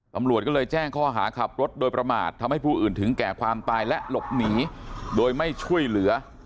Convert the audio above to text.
ตำรวจก็เลยแจ้งข้อหาขับรถโดยประมาททำให้ผู้อื่นถึงแก่ความตายและหลบหนีโดยไม่ช่วยเหลือ